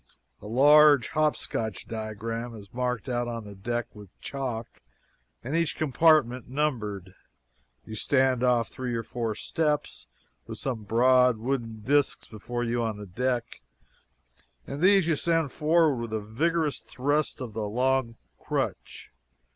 A large hop scotch diagram is marked out on the deck with chalk, and each compartment numbered. You stand off three or four steps, with some broad wooden disks before you on the deck, and these you send forward with a vigorous thrust of a long crutch.